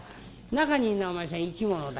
中にいるのはお前さん生き物だよ。